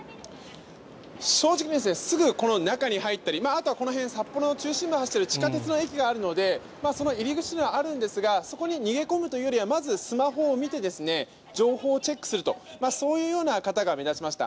正直、すぐ中に入ったりあとはこの辺札幌の中心部を走っている地下鉄の駅があるのでその入り口があるんですがそこに逃げ込むというよりはまずスマホを見て情報をチェックするそういうような方が目立ちました。